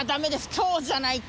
今日じゃないと。